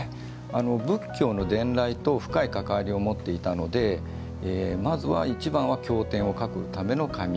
仏教の伝来と深い関わりをもっていたのはまずは一番は経典を書くための紙。